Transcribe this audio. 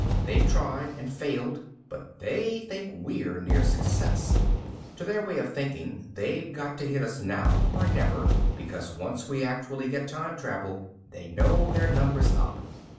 They've tried and failed, but they think we're near success. To their way of thinking, they've got to hit us now or never, because once we actually get time travel, they know their number's up."